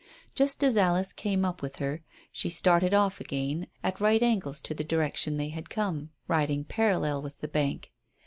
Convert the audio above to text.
Just as Alice came up with her she started off again at right angles to the direction they had come, riding parallel with the bank.